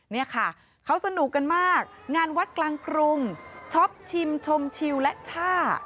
นี่ค่ะเขาสนุกกันมากงานวัดกลางกรุงชอบชิมชมชิวและช่า